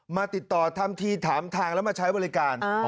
มาติดต่อทำทีถามทางแล้วมาใช้บริการ